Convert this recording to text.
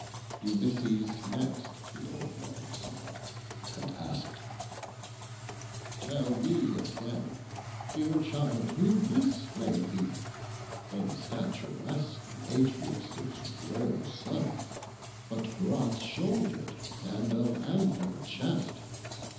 Ulysses next the old man saw, and ask'd, "Tell me again, dear child, who this may be, In stature less than Atreus' royal son, But broader shoulder'd, and of ampler chest.